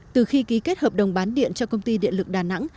từ khi ký kết hợp đồng bán điện cho công ty điện lực đà nẵng